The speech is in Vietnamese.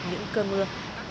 những cơ mưa